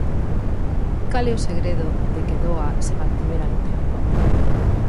Cal é o segredo de que Doa se mantivera no tempo?